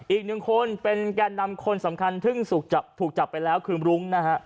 อีกหนึ่งคนเป็นแก่นำคนสำคัญซึ่งถูกจับไปแล้วคือรุ้งนะฮะ